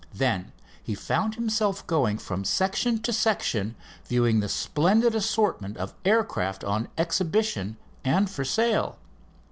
Then he found himself going from section to section, viewing the splendid assortment of aircraft on exhibition and for sale.